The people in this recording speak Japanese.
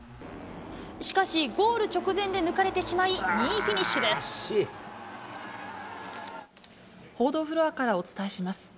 しかしゴール直前で抜かれてしま報道フロアからお伝えします。